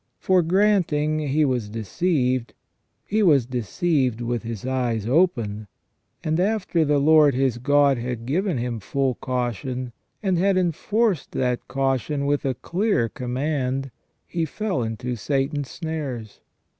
For, granting he was deceived, he was deceived with his eyes open ; and after the Lord his God had given him full caution, and had enforced AND THE REDEMPTION OF CHRIST. 303 that caution with a clear command, he fell into Satan's snares.